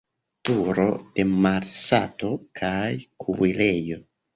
Turo de malsato kaj kuirejo.